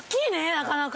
なかなか。